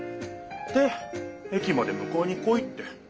で駅までむかえに来いって。